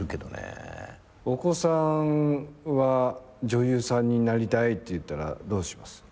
お子さんは女優さんになりたいって言ったらどうします？